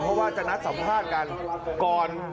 เพราะว่าจะนัดสัมภาษณ์กันก่อน